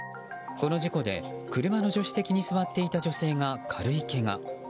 この事故で車の助手席に座っていた女性が軽いけが。